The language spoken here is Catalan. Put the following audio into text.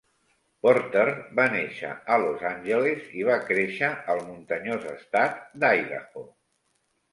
Porter va néixer a Los Angeles i va créixer al muntanyós estat d'Idaho.